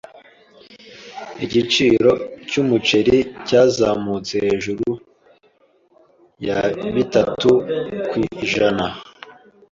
Igiciro cyumuceri cyazamutse hejuru ya bitatu ku ijana.